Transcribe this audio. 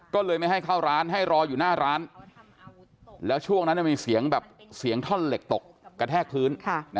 ก็เลยไม่ให้เข้าร้านให้รออยู่หน้าร้านแล้วช่วงนั้นมีเสียงแบบเสียงท่อนเหล็กตกกระแทกพื้น